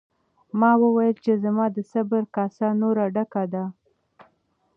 ما وویل چې زما د صبر کاسه نوره ډکه ده.